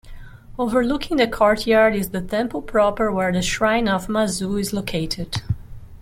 Overlooking the courtyard is the temple proper where the shrine of Mazu is located.